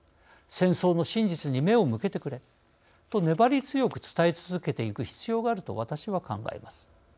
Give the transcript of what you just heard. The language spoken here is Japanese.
戦争の真実に目を向けてくれ」と粘り強く伝え続けていく必要があると私は考えます。